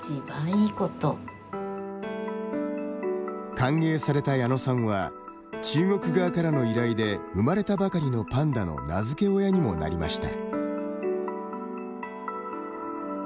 歓迎された矢野さんは中国側からの依頼で生まれたばかりのパンダの名付け親にもなりました。